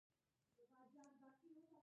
ولایتونه د افغانستان د سیلګرۍ یوه برخه ده.